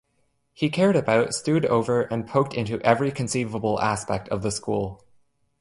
He cared about, stewed over, and poked into every conceivable aspect of the School.